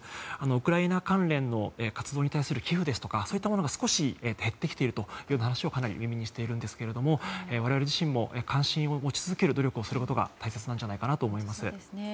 ウクライナ関連の活動に対する寄付ですとかそういったものが少し減ってきているという話をかなり耳にしているんですが我々自身も関心を持ち続ける努力をすることが大切だと思います。